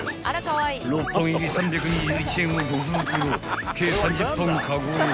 ［６本入り３２１円を５袋計３０本カゴへ］